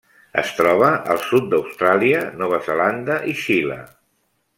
Es troba al sud d'Austràlia, Nova Zelanda i Xile.